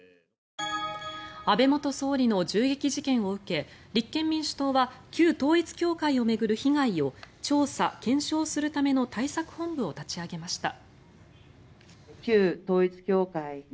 安倍元総理の銃撃事件を受け立憲民主党は旧統一教会を巡る被害を調査・検証するための対策本部を立ち上げました。